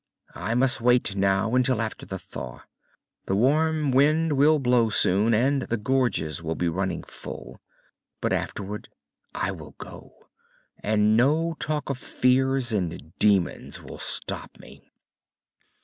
I must wait, now, until after the thaw. The warm wind will blow soon, and the gorges will be running full. But afterward, I will go, and no talk of fears and demons will stop me."